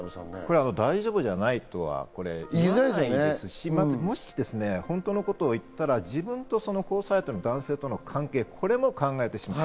大丈夫じゃないとは言いづらいですし、もし本当のことを言ったら自分とその交際相手の男性との関係、これも考えてしまう。